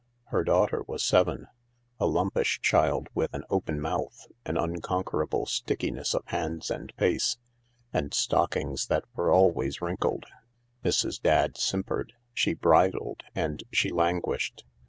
Her daughter was seven — a lumpish child with an open mouth, an unconquerable stickiness of hands and face, and stockings that were always wrinkled. Mrs. Dadd simpered, she bridled, and she languished.